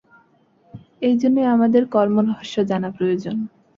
এই জন্যই আমাদের কর্মরহস্য জানা প্রয়োজন।